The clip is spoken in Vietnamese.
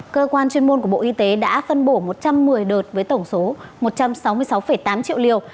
cơ quan chuyên môn của bộ y tế đã phân bổ một trăm một mươi đợt với tổng số một trăm sáu mươi sáu tám triệu liều